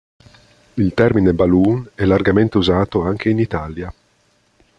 Il termine balloon è largamente usato anche in Italia.